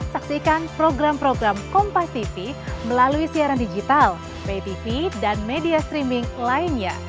saksikan program program kompas tv melalui siaran digital pay tv dan media streaming lainnya